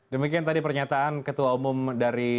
demikian tadi pernyataan ketua umum dari